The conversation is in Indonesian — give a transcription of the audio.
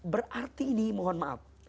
berarti nih mohon maaf